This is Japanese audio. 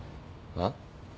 あっ？